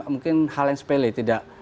mungkin hal yang sepele